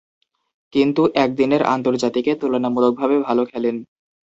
কিন্তু একদিনের আন্তর্জাতিকে তুলনামূলকভাবে ভাল খেলেন।